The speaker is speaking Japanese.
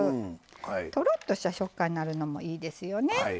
とろっとした食感になるのもいいですよね。